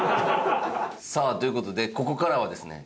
さあという事でここからはですね